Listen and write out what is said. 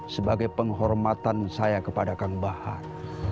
sebagai penghormatan saya kepada kang bahat